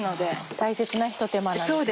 大切なひと手間なんですね。